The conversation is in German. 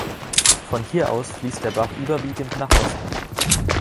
Von hier aus fließt der Bach überwiegend nach Osten.